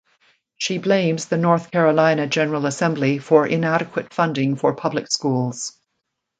She blames the North Carolina General Assembly for inadequate funding for public schools.